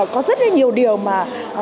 có rất là nhiều điều mà